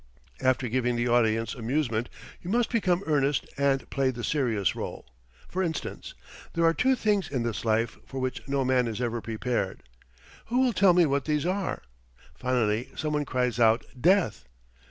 After giving the audience amusement you must become earnest and play the serious rôle. For instance, 'There are two things in this life for which no man is ever prepared. Who will tell me what these are?' Finally some one cries out 'Death.'